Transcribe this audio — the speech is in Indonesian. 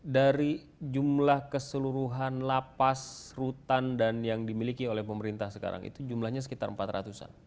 dari jumlah keseluruhan lapas rutan dan yang dimiliki oleh pemerintah sekarang itu jumlahnya sekitar empat ratus an